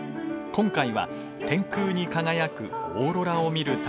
今回は天空に輝くオーロラを見る旅。